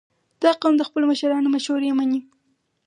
• دا قوم د خپلو مشرانو مشورې منې.